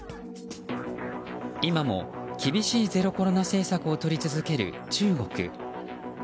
今も厳しいゼロコロナ政策をとり続ける中国。